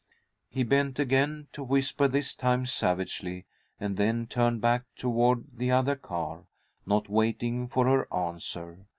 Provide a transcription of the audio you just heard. He bent again to whisper, this time savagely, and then turned back toward the other car, not waiting for her answer.